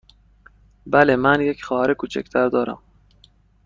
بله، من یک خواهر کوچک تر دارم.